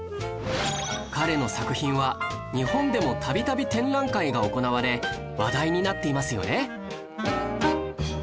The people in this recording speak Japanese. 彼の作品は日本でもたびたび展覧会が行われ話題になっていますよね